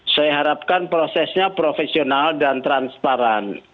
saya harapkan prosesnya profesional dan transparan